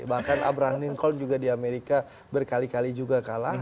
bahkan abrah nincoln juga di amerika berkali kali juga kalah